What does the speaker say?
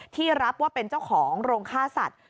ที่รับว่าเป็นเจ้าของโรงฆ่าสัตว์